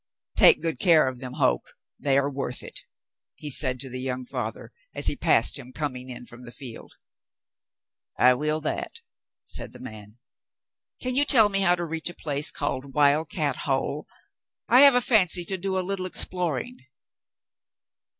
"Take good care of them, Hoke; they are worth it," he said to the young father, as he passed him coming in from the field. "I will that," said the man. "Can you tell me how to reach a place called *Wild Cat Hole' '^ I have a fancy to do a little exploring."